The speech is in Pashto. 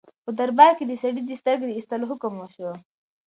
په دربار کې د سړي د سترګې د ایستلو حکم وشو.